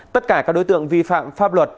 tất cả các đối tượng vi phạm pháp luật